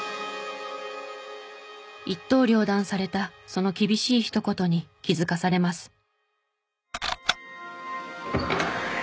一刀両断されたその厳しいひと言に気づかされます。